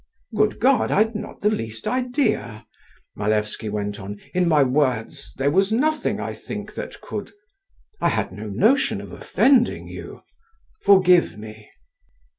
"Good God, I'd not the least idea," Malevsky went on, "in my words there was nothing, I think, that could … I had no notion of offending you…. Forgive me."